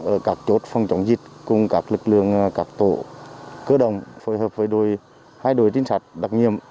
ở các chốt phòng chống dịch cùng các lực lượng các tổ cơ đồng phối hợp với hai đội trinh sát đặc nhiệm